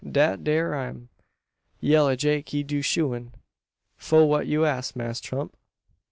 Dat dere am. Yella Jake he do shoein'. Fo what you ask, Mass Tump?"